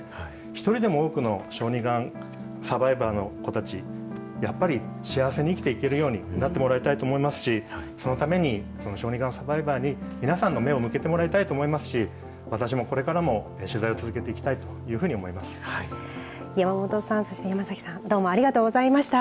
一人でも多くの小児がんサバイバーの子たち、やっぱり幸せに生きていけるようになってもらいたいと思いますし、そのために、小児がんサバイバーに皆さんの目を向けてもらいたいと思いますし、私もこれからも取材を続けていきたいというふうに山本さん、そして山崎さん、ありがとうございました。